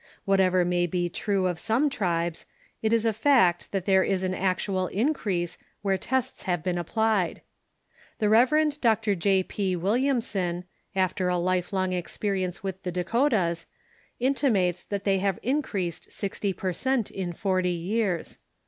Whatever may be true of some tribes, it is a fact that there is an actual increase where tests have been applied. The Rev. Dr. J. P. Williamson, after a life long experience Avith the Dakotas, intimates that they have increased sixty per cent, in forty years.